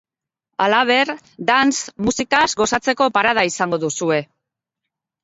Halaber, dance musikaz gozatzeko parada izango duzue.